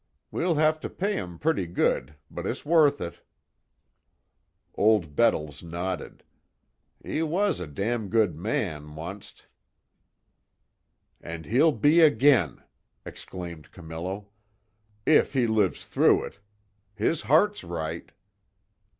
We'll have to pay 'em pretty good, but it's worth it." Old Bettles nodded: "He was a damn good man, onct." "An' he'll be agin'!" exclaimed Camillo, "If he lives through it. His heart's right."